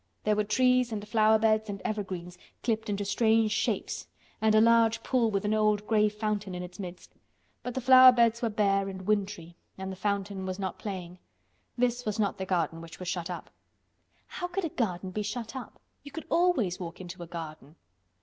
There were trees, and flower beds, and evergreens clipped into strange shapes, and a large pool with an old gray fountain in its midst. But the flower beds were bare and wintry and the fountain was not playing. This was not the garden which was shut up. How could a garden be shut up? You could always walk into a garden.